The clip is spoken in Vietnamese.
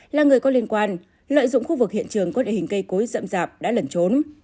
là người có liên quan lợi dụng khu vực hiện trường có địa hình cây cối rậm rạp đã lẩn trốn